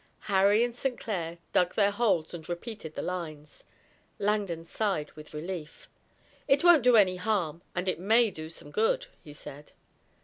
Harry and St. Clair dug their holes and repeated the lines. Langdon sighed with relief. "It won't do any harm and it may do some good," he said.